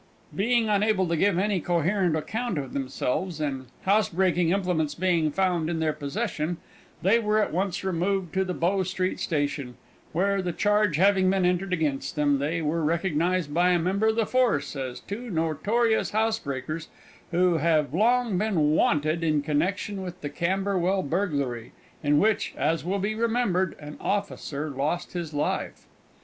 Being unable to give any coherent account of themselves, and housebreaking implements being found in their possession, they were at once removed to the Bow Street Station, where, the charge having been entered against them, they were recognized by a member of the force as two notorious housebreakers who have long been 'wanted' in connection with the Camberwell burglary, in which, as will be remembered, an officer lost his life."